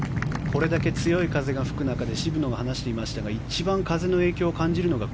これだけ強い風が吹く中で渋野が話していましたが一番、風の影響を感じるのが